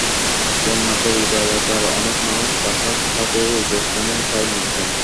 বন্যা কবলিত এলাকার অনেক মানুষ বাসার ছাদে ও উঁচু স্থানে ঠাঁই নিয়েছেন।